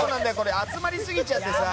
集まりすぎちゃってさ。